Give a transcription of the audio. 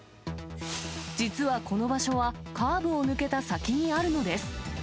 実はこの場所は、カーブを抜けた先にあるのです。